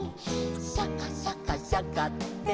「シャカシャカシャカって」